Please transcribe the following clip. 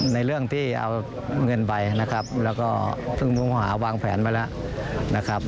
ในเรื่องที่เอาเงินไปนะครับแล้วก็ซึ่งผู้ต้องหาวางแผนไว้แล้วนะครับ